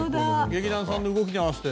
劇団さんの動きに合わせて。